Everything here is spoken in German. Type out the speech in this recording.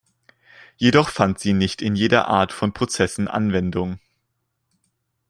Jedoch fand sie nicht in jeder Art von Prozessen Anwendung.